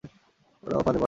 ওরা ফাঁদে পা দিয়েছে!